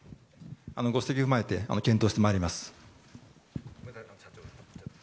ご指摘を踏まえて検討してまいります。